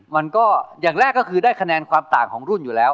มันก็อย่างแรกก็คือได้คะแนนความต่างของรุ่นอยู่แล้ว